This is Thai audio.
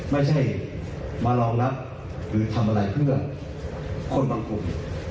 ไม่ใช่มารองรับหรือทำอะไรเพื่อคนบางกลุ่ม